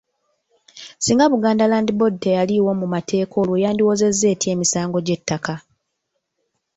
Singa Buganda Land Board teyaliiwo mu mateeka olwo yandiwozezza etya emisango gy'ettaka?